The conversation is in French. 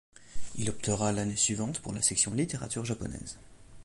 Il optera l'année suivante pour la section Littérature japonaise.